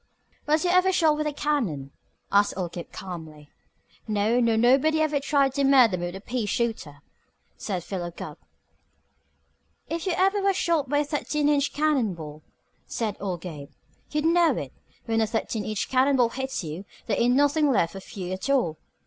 "Was you ever shot with a cannon?" asked old Gabe calmly. "No, nor nobody ever tried to murder me with a pea shooter," said Philo Gubb. "If you ever was shot by a thirteen inch cannon ball," said old Gabe, "you'd know it. When a thirteen inch cannon ball hits you, there ain't nothin' left of you at all.